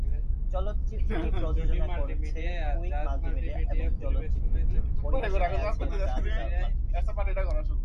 চলচ্চিত্রটি প্রযোজনা করছে কুইক মাল্টিমিডিয়া এবং চলচ্চিত্রটি পরিবেশনায় আছে জাজ মাল্টিমিডিয়া।